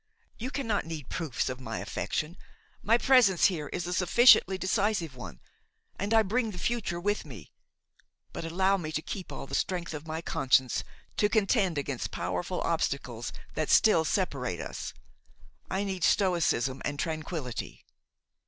You cannot need proofs of my affection: my presence here is a sufficiently decisive one, and I bring the future with me. But allow me to keep all the strength of my conscience to contend against powerful obstacles that still separate us; I need stoicism and tranquility."